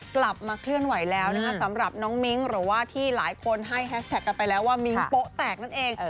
กลับมาเคลื่อนไหวแล้วนะคะสำหรับน้องมิ้งหรือว่าที่หลายคนให้แฮชแท็กกันไปแล้วว่ามิ้งโป๊ะแตกนั่นเอง